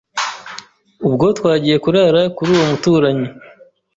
Ubwo twagiye kurara kuri uwo muturanyi